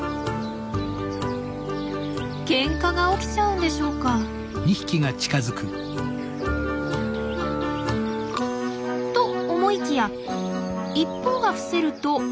ケンカが起きちゃうんでしょうか？と思いきや一方が伏せると相手は素通り。